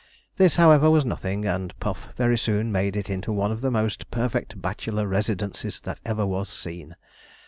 This, however, was nothing, and Puff very soon made it into one of the most perfect bachelor residences that ever was seen.